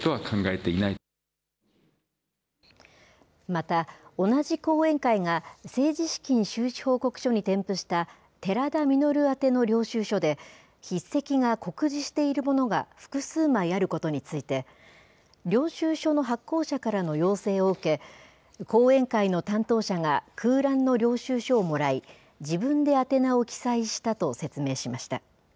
また、同じ後援会が政治資金収支報告書に添付した寺田稔宛の領収書で、筆跡が酷似しているものが複数枚あることについて、領収書の発行者からの要請を受け、後援会の担当者が空欄の領収書をもらい、自分で宛名を記載したと説明しました。